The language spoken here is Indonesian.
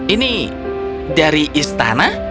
ini dari istana